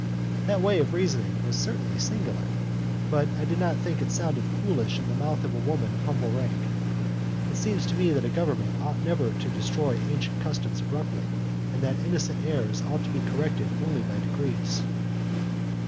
That way of reasoning was certainly singular, but I did not think it sounded foolish in the mouth of a woman of humble rank. It seems to me that a government ought never to destroy ancient customs abruptly, and that innocent errors ought to be corrected only by degrees.